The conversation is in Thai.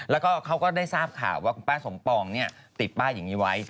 แล้วก็เขาก็ได้ทราบข่าวว่าคุณป้าสมปองติดป้ายอย่างนี้ไว้